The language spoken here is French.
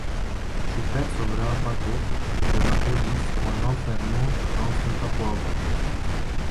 Choupette sauvera Paco de la police en l'enfermant dans son capot avant.